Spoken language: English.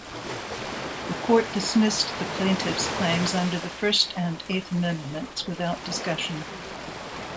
The Court dismissed the plaintiffs' claims under the First and Eighth Amendments without discussion.